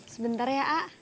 sebentar ya pak